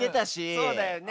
そうだよね。